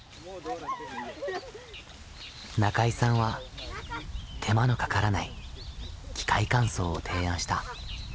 中井さんは手間のかからない機械乾燥を提案した。